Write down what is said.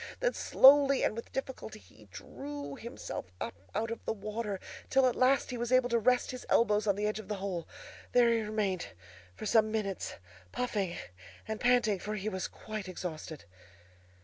Then slowly and with difficulty he drew himself up out of the water, till at last he was able to rest his elbows on the edge of the hole. There he remained for some minutes, puffing and panting, for he was quite exhausted.